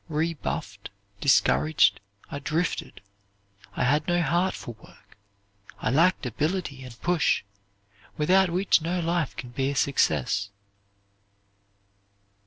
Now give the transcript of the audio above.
Rebuffed, discouraged, I drifted. I had no heart for work. I lacked ability and push, without which no life can be a success."